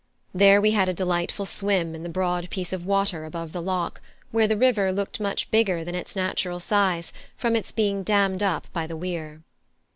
There we had a delightful swim in the broad piece of water above the lock, where the river looked much bigger than its natural size from its being dammed up by the weir.